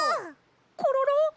コロロ！